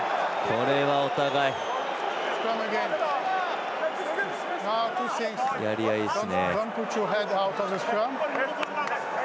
これはお互いやり合いですね。